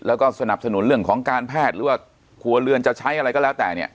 แล้วก็สนับสนุนเรื่องของการแพทย์หรือว่าครัวเรือนจะใช้อะไรก็แล้วแต่เนี่ย